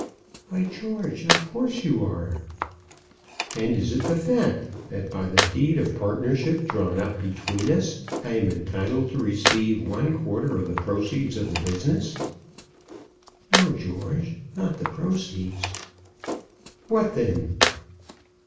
"Why, George, of course you are." "And is it the fact that by the deed of partnership drawn up between us, I am entitled to receive one quarter of the proceeds of the business?" "No, George, no; not proceeds." "What then?"